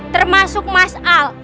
termasuk mas al